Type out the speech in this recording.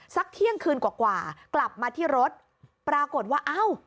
เที่ยงคืนกว่ากว่ากลับมาที่รถปรากฏว่าอ้าว